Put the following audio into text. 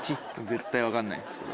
絶対分かんないです。